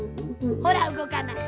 ほらうごかない。